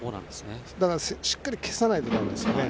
だからしっかり消さないとだめですね。